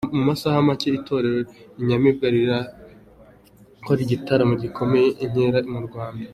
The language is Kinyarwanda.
Mu masaha macye Itorero Inyamibwa rirakora igitaramo gikomeye 'Inkera i Rwanda'